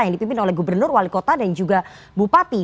yang dipimpin oleh gubernur wali kota dan juga bupati